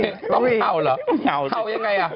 ต้องเห่าเหรอเห่ายังไง